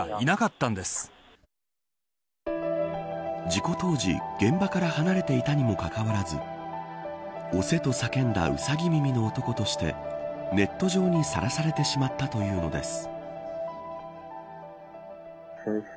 事故当時、現場から離れていたにもかかわらず押せ、と叫んだウサギ耳の男としてネット上に、さらされてしまったというのです。